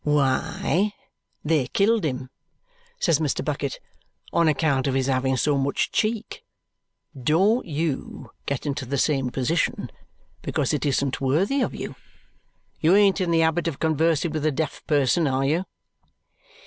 "Why, they killed him," says Mr. Bucket, "on account of his having so much cheek. Don't YOU get into the same position, because it isn't worthy of you. You ain't in the habit of conversing with a deaf person, are you?"